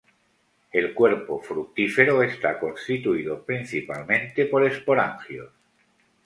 El cuerpo fructífero está constituido principalmente por esporangios.